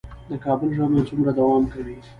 د کابل ژمی څومره دوام کوي؟